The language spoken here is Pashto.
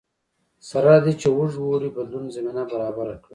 سره له دې چې اوږد اوړي بدلون زمینه برابره کړه